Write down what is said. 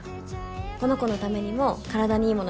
この子のためにも体にいいもの